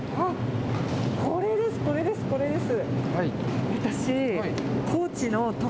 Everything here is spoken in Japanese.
これです、これです、これです。